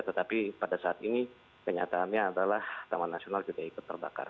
tetapi pada saat ini kenyataannya adalah taman nasional juga ikut terbakar